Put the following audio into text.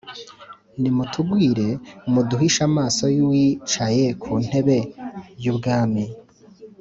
nimutugwire m muduhishe amaso y Uwicaye ku ntebe y ubwami